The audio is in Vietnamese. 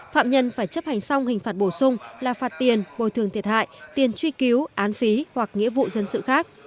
phạm nhân phải chấp hành xong hình phạt bổ sung là phạt tiền bồi thường thiệt hại tiền truy cứu án phí hoặc nghĩa vụ dân sự khác